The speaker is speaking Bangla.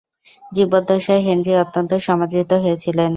জীবদ্দশায় হেনরি অত্যন্ত সমাদৃত হয়েছিলেন।